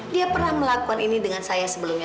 dia pernah melakukan ini dengan saya sebelumnya